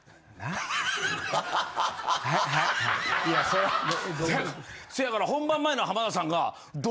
そやから本番前の浜田さんが。